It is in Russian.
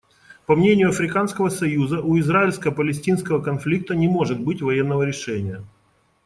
По мнению Африканского союза, у израильско-палестинского конфликта не может быть военного решения.